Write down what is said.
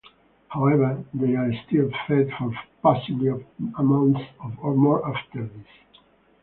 However, they are still fed for possibly a month or more after this.